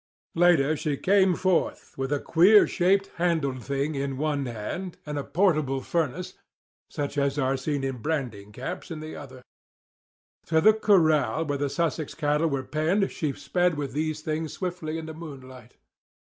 Later she came forth with a queer shaped, handled thing in one hand, and a portable furnace, such as are seen in branding camps, in the other. To the corral where the Sussex cattle were penned she sped with these things swiftly in the moonlight.